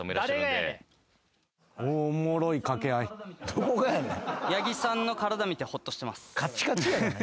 どこがやねん。